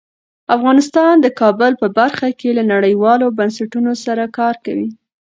افغانستان د کابل په برخه کې له نړیوالو بنسټونو سره کار کوي.